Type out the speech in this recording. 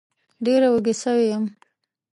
ډېره وږې سوې وم